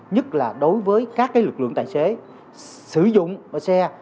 nhất là đối với các lực lượng tài xế sử dụng xe